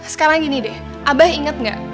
sekarang gini deh abah inget gak